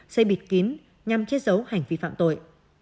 xây bịt kín nhằm che giấu hành vi phạm tội